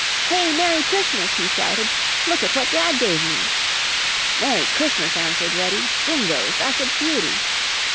"Hey, Merry Christmas," he shouted. "Look at what Dad gave me!" "Merry Christmas," answered Reddy. "Jingoes, that's a beauty!"